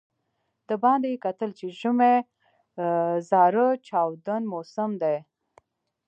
د باندې یې کتل چې ژمی زاره چاودون موسم دی.